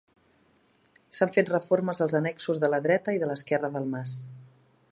S’han fet reformes als annexos de la dreta i de l’esquerra del mas.